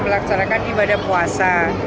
melaksanakan ibadah puasa